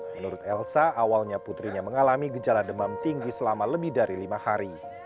menurut elsa awalnya putrinya mengalami gejala demam tinggi selama lebih dari lima hari